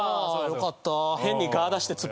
よかった。